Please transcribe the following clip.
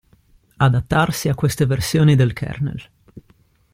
Adattarsi a queste versioni del kernel.